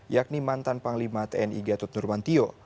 yakni mantan panglima tni gatot nurmantio